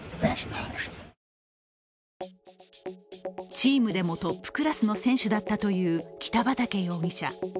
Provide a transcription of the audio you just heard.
チームでもトップクラスの選手だったという北畠容疑者。